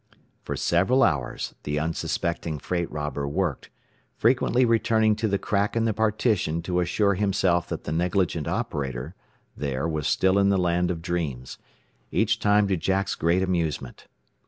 For several hours the unsuspecting freight robber worked, frequently returning to the crack in the partition to assure himself that the negligent "operator" there was still in the land of dreams, each time to Jack's great amusement.